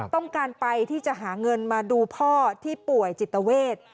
ต้องการไปที่จะหาเงินมาดูพ่อที่ป่วยจิตเวท